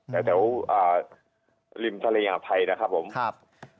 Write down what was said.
ในเดี๋ยวริมทะเลอย่างไทยนะครับ